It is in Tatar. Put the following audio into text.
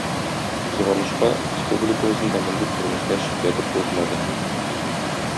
Кызганычка, республикабызны да мондый күренешләр читләтеп узмады.